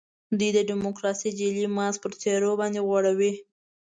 دوی د ډیموکراسۍ جعلي ماسک پر څېرو باندي غوړوي.